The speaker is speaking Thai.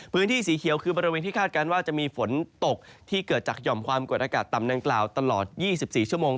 พื้นที่สีเขียวคือบริเวณที่คาดการณ์ว่าจะมีฝนตกที่เกิดจากหย่อมความกดอากาศต่ำดังกล่าวตลอด๒๔ชั่วโมง